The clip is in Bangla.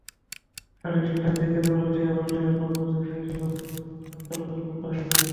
সাড়ে তিনটার দিকে দৌলতদিয়া-পাটুরিয়া নৌপথে ফেরি, লঞ্চসহ নৌযান চলাচল বন্ধ হয়ে যায়।